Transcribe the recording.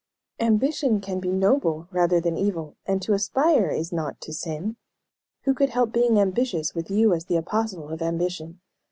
"Ambition can be noble, rather than evil, and to aspire is not to sin. Who could help being ambitious, with you as the apostle of ambition?